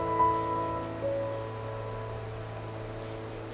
เล่นที่สุด